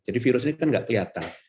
jadi virus ini kan nggak kelihatan